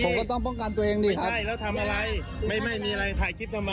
ผมก็ต้องป้องกันตัวเองดิใช่แล้วทำอะไรไม่ไม่มีอะไรถ่ายคลิปทำไม